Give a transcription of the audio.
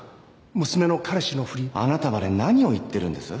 娘の彼氏のふりあなたまで何を言ってるんです？